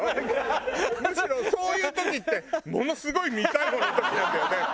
むしろそういう時ってものすごい見たいものの時なんだよね。